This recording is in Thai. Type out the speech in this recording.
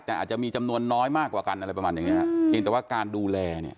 แต่อาจจะมีจำนวนน้อยมากกว่ากันอะไรประมาณอย่างเนี้ยเพียงแต่ว่าการดูแลเนี่ย